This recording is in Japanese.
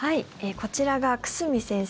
こちらが久住先生